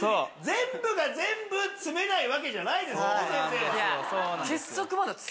全部が全部詰めないわけじゃないですから。